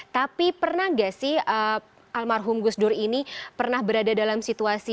tapi pernah nggak sih almarhum gus dur ini pernah berada dalam situasi